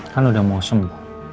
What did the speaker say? kan udah mau sembuh